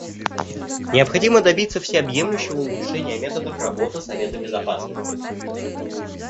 Необходимо добиться всеобъемлющего улучшения методов работы Совета Безопасности.